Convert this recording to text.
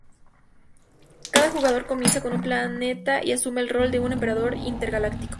Cada jugador comienza con un "planeta" y asume el rol de un emperador intergaláctico.